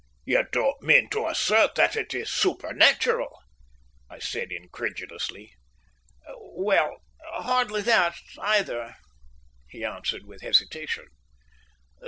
"You don't mean to assert that it is supernatural," I said incredulously. "Well, hardly that, either," he answered with hesitation.